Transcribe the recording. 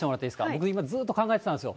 僕、今、ずっと考えてたんですよ。